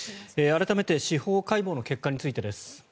改めて司法解剖の結果についてです。